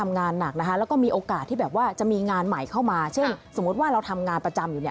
งานหนักนะคะแล้วก็มีโอกาสที่แบบว่าจะมีงานใหม่เข้ามาเช่นสมมุติว่าเราทำงานประจำอยู่เนี่ย